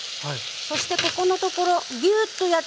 そしてここのところギューッと握った